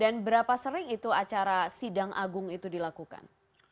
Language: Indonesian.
berapa sering itu acara sidang agung itu dilakukan